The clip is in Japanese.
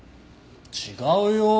違うよ。